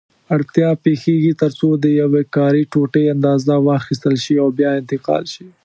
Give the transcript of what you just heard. اړتیا پېښېږي ترڅو د یوې کاري ټوټې اندازه واخیستل شي او بیا انتقال شي.